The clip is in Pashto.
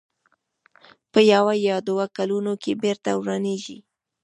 په یوه یا دوو کلونو کې بېرته ورانېږي.